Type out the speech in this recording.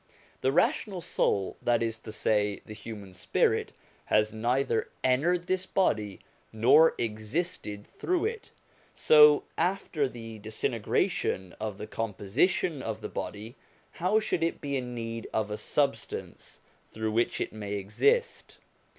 The rational soul, that is to say the human spirit, has neither entered this body nor existed through it ; so after the disintegration of the composition of the body, how should it be in need of a substance through which it may exist